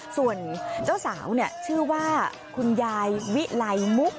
ส่วนเจ้าสาวชื่อว่าคุณยายวิไลมุก